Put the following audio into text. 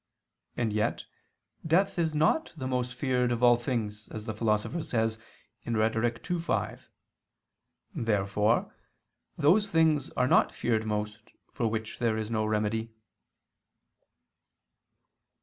And yet death is not the most feared of all things, as the Philosopher says (Rhet. ii, 5). Therefore those things are not feared most, for which there is no remedy.